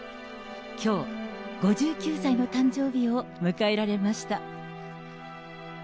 きょう、５９歳の誕生日を迎えられました。